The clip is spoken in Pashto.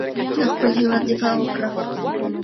د خپل هېواد دفاع وکړه.